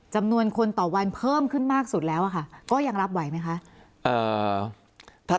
จำนวนคนต่อวันเพิ่มขึ้นมากสุดแล้วอะค่ะก็ยังรับไหวไหมคะ